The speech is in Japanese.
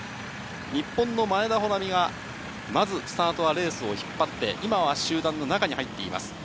日本の前田穂南がまず、スタートはレースを引っ張って、今は集団の中に入っています。